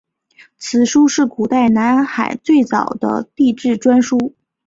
此书是古代南海最早的地志专书。